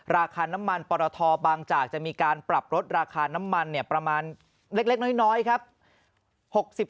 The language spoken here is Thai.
ราคาน้ำมันปรทบางจากจะมีการปรับลดราคาน้ำมันประมาณเล็กน้อยครับ